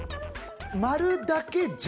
丸だけじゃ。